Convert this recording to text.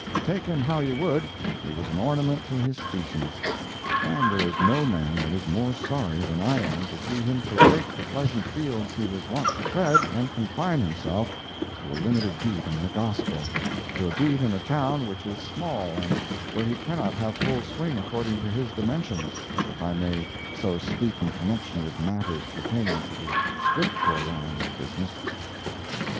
Take him how you would, he was an ornament to his species—and there is no man that is more sorry than I am to see him forsake the pleasant fields he was wont to tread and confine himself to a limited beat on the Gospel—to a beat in a town which is small and where he cannot have full swing according to his dimensions, if I may so speak in connection with matters pertaining to the Scriptural line of business.